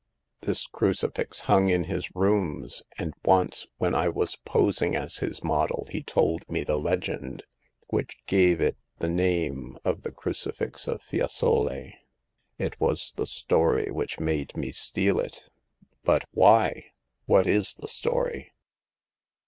This crucifix hung in his rooms, and once, when I was posing as his model, he told me the legend which gave it the name of the Crucifix of Fiesole. It was the story which made me steal it." " But why ? What is the story